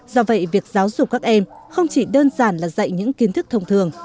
do vậy việc giáo dục các em không chỉ đơn giản là dạy những kiến thức thông thường